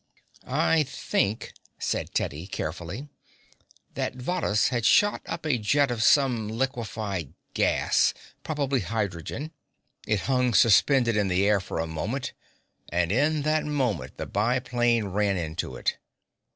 "I think," said Teddy carefully, "that Varrhus had shot up a jet of some liquified gas, probably hydrogen. It hung suspended in the air for a moment, and in that moment the biplane ran into it.